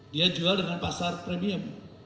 dia jual dengan pasar premium